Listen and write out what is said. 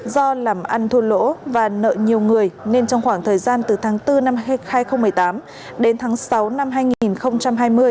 do làm ăn thua lỗ và nợ nhiều người nên trong khoảng thời gian từ tháng bốn năm hai nghìn một mươi tám đến tháng sáu năm hai nghìn hai mươi